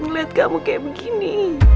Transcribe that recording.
ngeliat kamu kayak begini